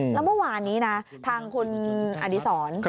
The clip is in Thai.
แล้วเมื่อวานนี้นะทางคุณอดีศร